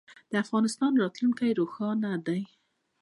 د افغانستان راتلونکی روښانه دی.